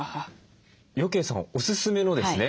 余慶さんおすすめのですね